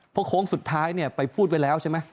เพราะโค้งสุดท้ายไปพูดไว้แล้วใช่ไหม